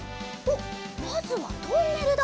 まずはトンネルだ。